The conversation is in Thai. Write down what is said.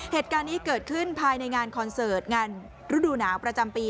เหตุการณ์นี้เกิดขึ้นภายในงานคอนเสิร์ตงานฤดูหนาวประจำปี